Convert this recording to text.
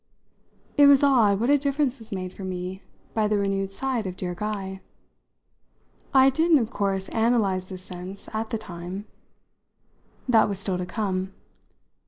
It was odd what a difference was made for me by the renewed sight of dear Guy. I didn't of course analyse this sense at the time; that was still to come.